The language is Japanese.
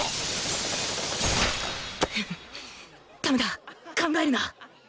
ダメだ考えるな！